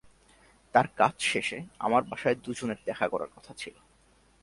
তার কাজ শেষে আমার বাসায় দুজনের দেখা করার কথা ছিলো।